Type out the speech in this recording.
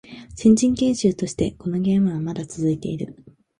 新人研修としてこのゲームはまだ続いている